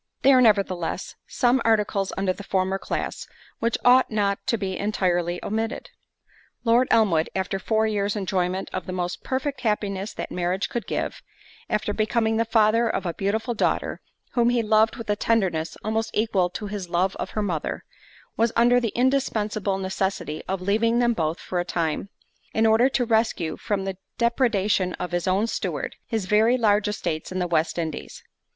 There are, nevertheless, some articles under the former class, which ought not to be entirely omitted. Lord Elmwood, after four years enjoyment of the most perfect happiness that marriage could give, after becoming the father of a beautiful daughter, whom he loved with a tenderness almost equal to his love of her mother, was under the indispensable necessity of leaving them both for a time, in order to rescue from the depredation of his own steward, his very large estates in the West Indies.